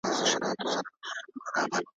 چی له خپلو انسانانو مو زړه شین سي